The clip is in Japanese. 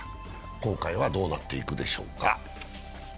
今回はどうなっていくでしょうか。